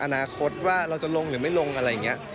อนาคตว่าเราจะลงหรือไม่ลงอะไรอย่างนี้